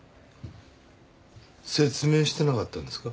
説明してなかったんですか？